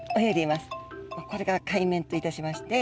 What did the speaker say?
これが海面といたしまして。